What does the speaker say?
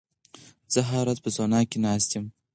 زه هره ورځ په سونا کې نه ناست یم.